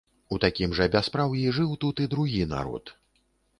У такім жа бяспраўі жыў тут і другі народ.